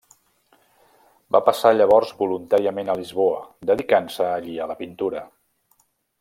Va passar llavors voluntàriament a Lisboa, dedicant-se allí a la pintura.